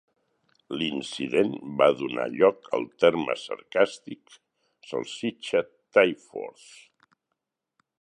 L'incident va donar lloc al terme sarcàstic "Salsitxa Taylforth".